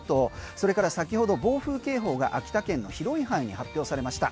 それから先ほど暴風警報が秋田県の広い範囲に発表されました。